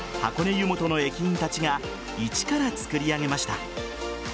湯本の駅員たちが一からつくり上げました。